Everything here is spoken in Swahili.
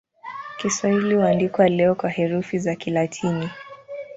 Kiswahili huandikwa leo kwa herufi za Kilatini.